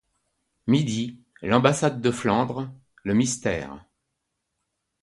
Midi, l'ambassade de Flandre, le mystère.